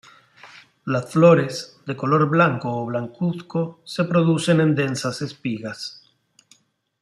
Las flores, de color blanco o blancuzco, se producen en densas espigas.